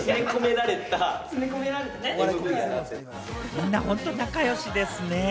みんな本当、仲良しですね。